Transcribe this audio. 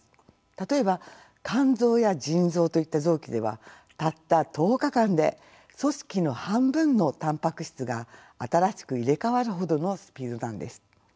例えば肝臓や腎臓といった臓器ではたった１０日間で組織の半分のたんぱく質が新しく入れ替わるほどのスピードなんです。